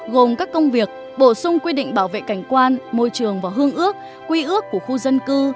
gồm các công việc bổ sung quy định bảo vệ cảnh quan môi trường và hương ước quy ước của khu dân cư